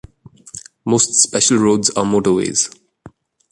Most special roads are motorways.